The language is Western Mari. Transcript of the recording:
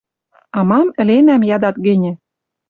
А мам ӹленӓм, ядат гӹньӹ, —